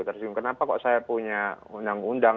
tersinggung kenapa kok saya punya undang undang